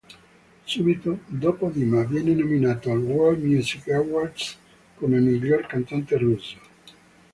Subito dopo Dima viene nominato al World Music Awards come miglior cantante russo.